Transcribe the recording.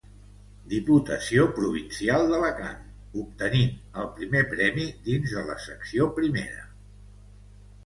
Diputació Provincial d'Alacant, obtenint el Primer Premi dins de la Secció Primera.